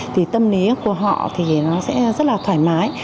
thì tâm lý của họ sẽ rất thoải mái